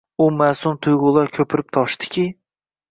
U ma’sum tuyg‘ular ko‘pirib toshdiki